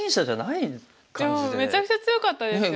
いやめちゃくちゃ強かったですよね。